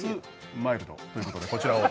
マイルドということで、こちらを。